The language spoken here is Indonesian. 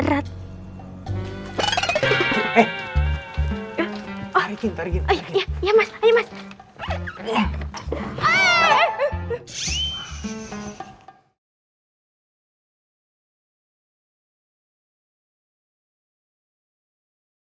ya allah kenggamanmu mas sayang pepengangnya gitu kan